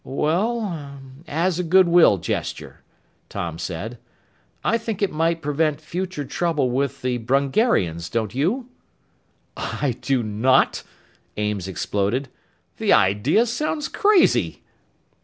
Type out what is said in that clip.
"Well ... er ... as a good will gesture," Tom said. "I think it might prevent future trouble with the Brungarians, don't you?" "I do not!" Ames exploded. "The idea sounds crazy!"